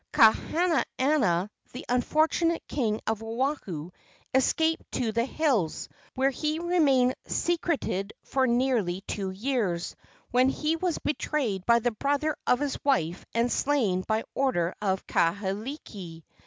Kahahana, the unfortunate king of Oahu, escaped to the hills, where he remained secreted for nearly two years, when he was betrayed by the brother of his wife and slain by order of Kahekili.